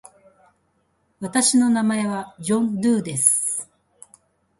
私の名前はジョン・ドゥーです。